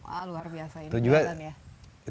wah luar biasa ini